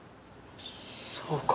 そうか。